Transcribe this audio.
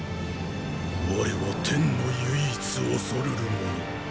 我は天の唯一畏るる者。